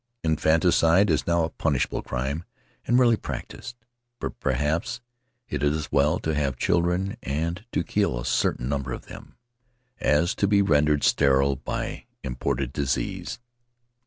Infanticide is now a punishable crime and rarely prac ticed, but perhaps it is as well to have children and to kill a certain number of them, as to be rendered sterile by imported disease.